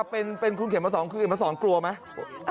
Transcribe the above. เป็นคุณเขียนมาสองคุณเขียนมาสองกลัวไหม